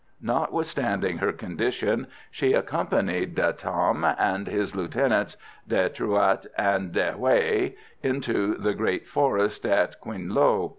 Notwithstanding her condition she accompanied De Tam and his lieutenants De Truat and De Hué into the great forest at Quinh Low.